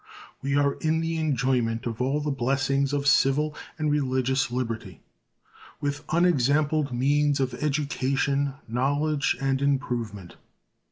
We are in the enjoyment of all the blessings of civil and religious liberty, with unexampled means of education, knowledge, and improvement.